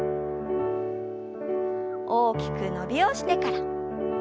大きく伸びをしてから。